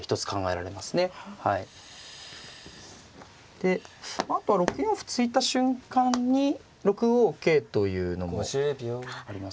であとは６四歩突いた瞬間に６五桂というのもありますよね。